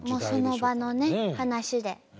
その場のね話で。